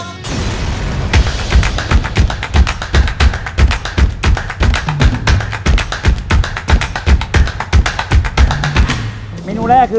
อันนี้ปลาอินซียักษ์นะครับ